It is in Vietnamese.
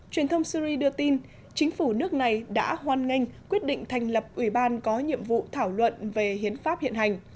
truyền thông syri đưa tin chính phủ nước này đã hoan nghênh quyết định thành lập ủy ban có nhiệm vụ thảo luận về hiến pháp hiện hành